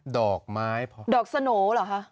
ดอกไม้พอดอกสโหน่เหรอคะ